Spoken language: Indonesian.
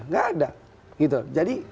tidak ada jadi